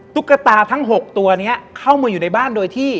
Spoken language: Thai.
ตุ๊กตาทั้ง๖ตัวนี้เข้ามาอยู่ในบ้านโดยที่